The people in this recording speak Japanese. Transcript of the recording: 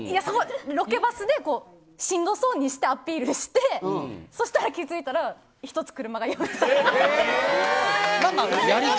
ロケバスでしんどそうにしてアピールしてそしたら気付いたら１つ車が用意されてた。